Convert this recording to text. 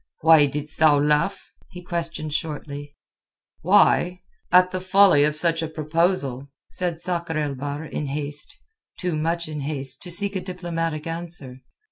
"Why didst thou laugh?" he questioned shortly. "Why? At the folly of such a proposal," said Sakr el Bahr in haste, too much in haste to seek a diplomatic answer.